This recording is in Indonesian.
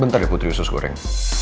bentar ya putri susu goreng